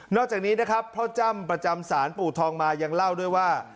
จากนี้นะครับพ่อจ้ำประจำศาลปู่ทองมายังเล่าด้วยว่า